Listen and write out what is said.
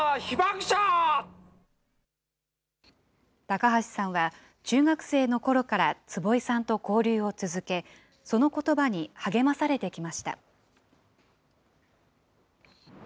高橋さんは中学生のころから坪井さんと交流を続け、そのことばに励まされてきました。